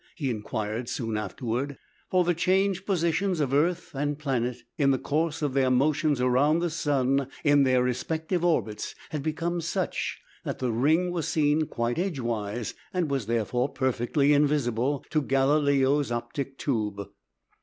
he inquired soon afterward; for the changed positions of earth and planet in the course of their motions around the sun in their respective orbits had become such that the ring was seen quite edgewise, and was, therefore, perfectly invisible to Galileo's "optic tube."